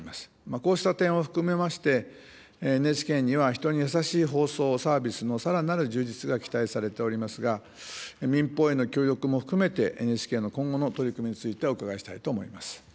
こうした点を含めまして、ＮＨＫには、人にやさしい放送・サービスのさらなる充実が期待されておりますが、民放への協力も含めて、ＮＨＫの今後の取り組みについてお伺いしたいと思います。